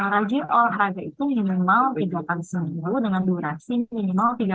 rajin olahraga itu minimal